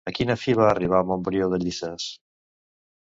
A quina fi va arribar Montbrió de Llissàs?